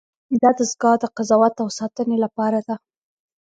دا دستگاه د قضاوت او ساتنې لپاره ده.